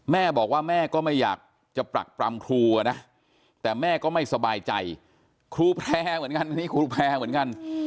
แม่บอกว่าแม่ก็ไม่อยากจะปรักปรำครูอะนะแต่แม่ก็ไม่สบายใจครูแพ้เหมือนกัน